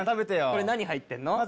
これ何入ってんの？